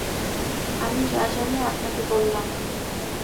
আমি যা জানি আপনাকে বললাম।